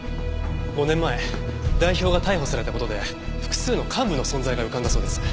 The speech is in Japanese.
５年前代表が逮捕された事で複数の幹部の存在が浮かんだそうです。